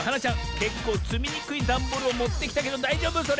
けっこうつみにくいダンボールをもってきたけどだいじょうぶそれ？